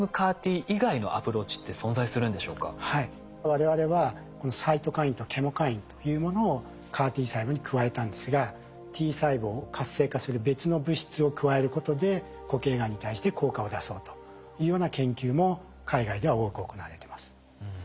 我々はサイトカインとケモカインというものをＣＡＲ−Ｔ細胞に加えたんですがＴ細胞を活性化する別の物質を加えることで固形がんに対して効果を出そうというような研究も海外では多く行われてます。